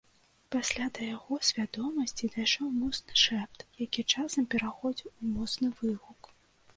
Пасля да яго свядомасці дайшоў моцны шэпт, які часам пераходзіў у моцны выгук.